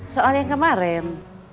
soal yang kemarin